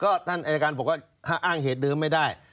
ก็ท่านอายการบอกว่าถ้าอ้างเหตุเดิมไม่ได้